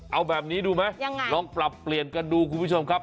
เอาแบบนี้ดูไหมยังไงลองปรับเปลี่ยนกันดูคุณผู้ชมครับ